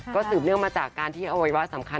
ก็สืบเนื่องมาจากการที่เอาไว้ว่า